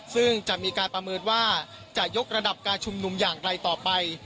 ซึ่งจะมีการประเมินว่าจะยกระดับการชุมนุมอย่างไรต่อไป